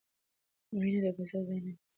مینه د پیسو ځای نه نیسي.